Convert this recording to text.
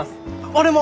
俺も！